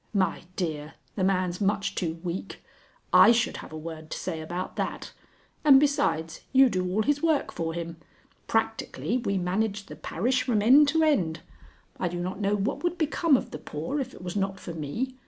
My dear, the man's much too weak! I should have a word to say about that. And besides, you do all his work for him. Practically, we manage the parish from end to end. I do not know what would become of the poor if it was not for me.